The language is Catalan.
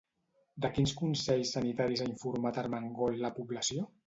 De quins consells sanitaris ha informat Armengol la població?